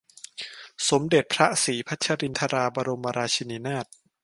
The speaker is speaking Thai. สมเด็จพระศรีพัชรินทราบรมราชินีนาถ